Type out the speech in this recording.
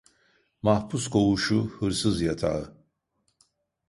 Mahpus koğuşu, hırsız yatağı.